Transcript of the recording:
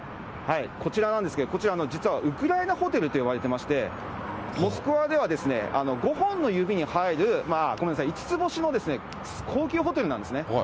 こちらなんですけど、こちら実はウクライナホテルと呼ばれてまして、モスクワでは５本の指に入る、ごめんなさい、５つ星の高級ホテルなんですね。